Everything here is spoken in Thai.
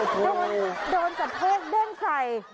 กระเทศเบิ้งใส